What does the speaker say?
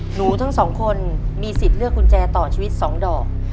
หนูทั้งสองคนมีสิทธิ์เลือกกุญแจต่อชีวิต๒ดอก